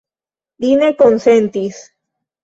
Li ne konsentis.